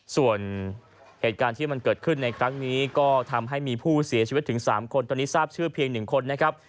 ส่วนเหตุการณ์ที่มันเกิดขึ้นในครั้งนี้ก็ทำให้มีผู้เสียชีวิตถึง๓คนตอนนี้ทราบชื่อเพียง๑คนนะครับ